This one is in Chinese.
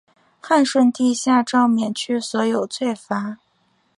汉顺帝下诏免去所有罪罚。